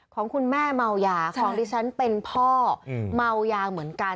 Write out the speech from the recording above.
ของคุณแม่เมายาของดิฉันเป็นพ่อเมายาเหมือนกัน